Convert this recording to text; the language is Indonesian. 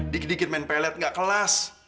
dikit dikit main pellet gak kelas